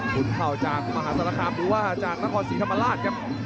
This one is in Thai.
เข่าจากมหาศาลคามหรือว่าจากนครศรีธรรมราชครับ